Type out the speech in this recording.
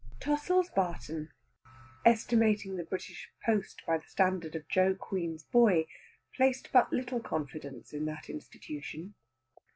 Tossil's Barton, estimating the British Post by the standard of Joe Queen's boy, placed but little confidence in that institution.